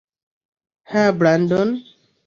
হ্যাঁ, ব্র্যান্ডন।